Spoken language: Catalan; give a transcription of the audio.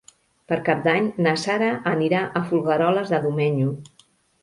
Per Cap d'Any na Sara anirà a Figueroles de Domenyo.